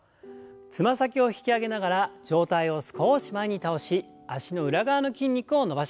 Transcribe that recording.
つま先を引き上げながら上体を少し前に倒し脚の裏側の筋肉を伸ばします。